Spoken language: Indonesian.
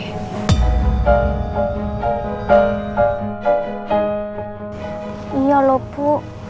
iya loh bu